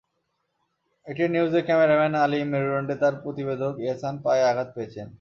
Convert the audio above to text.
ATN নিউজের cameraman Alim মেরুদণ্ডে আর প্রতিবেদক এহসান পায়ে আঘাত পেয়েছেন।